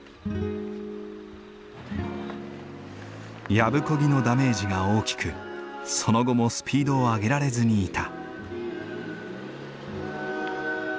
やぶこぎのダメージが大きくその後もスピードを上げられずにいた。